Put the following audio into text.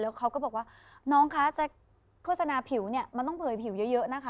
เขาก็บอกว่าน้องคะจะโฆษณาผิวเนี่ยมันต้องเผยผิวเยอะนะคะ